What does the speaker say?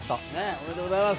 おめでとうございます。